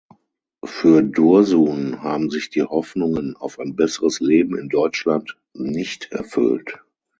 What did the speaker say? Für Dursun haben sich die Hoffnungen auf ein besseres Leben in Deutschland nicht erfüllt.